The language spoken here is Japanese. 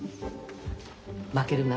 負けるな。